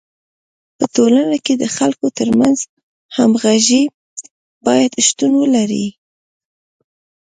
په ټولنه کي د خلکو ترمنځ همږغي باید شتون ولري.